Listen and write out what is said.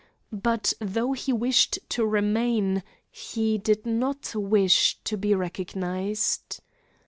But, though he wished to remain, he did not wish to be recognized.